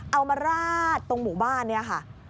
มาราดตรงหมู่บ้านเนี่ยค่ะ